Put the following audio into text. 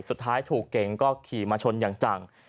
สุดท้ายถูกเก๋งก็ขี่มาชนอย่างจัง